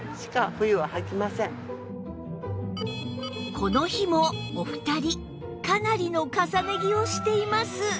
この日もお二人かなりの重ね着をしています